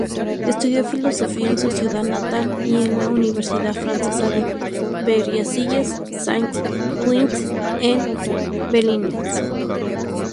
Estudió Filosofía en su ciudad natal y en la universidad francesa de Versailles Saint-Quentin-en-Yvelines.